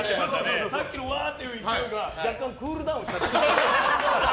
さっきのわーっていう勢いが若干クールダウンして。